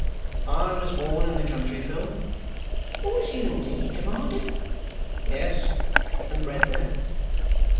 "I was born in the country, Phil." "Was you indeed, commander?" "Yes. And bred there."